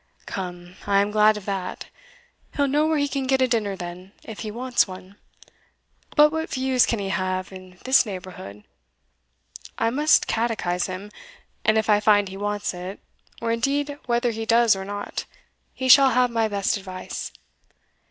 "Come, I am glad of that he'll know where he can get a dinner, then, if he wants one. But what views can he have in this neighbourhood? I must catechise him; and if I find he wants it or, indeed, whether he does or not he shall have my best advice."